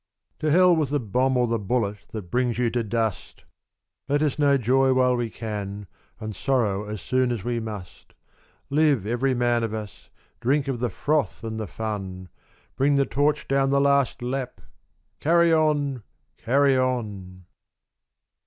74 Carry On. To hell with the bomb or the bullet that brings you to dust ! Let us know joy while we can, and sorrow as soon as we must : Live every man of us, drink of the froth and the fun, Bring the torch down the last lap ! carry on ! carry on